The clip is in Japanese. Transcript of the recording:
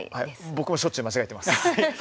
僕もしょっちゅう間違ってます。